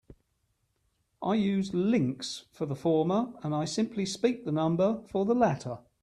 I use "links" for the former and I simply speak the number for the latter.